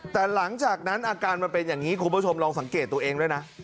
แต่หลังจากนั้นอาการมันเป็นอย่างนี้คุณผู้ชมลองสังเกตตัวเองด้วยนะ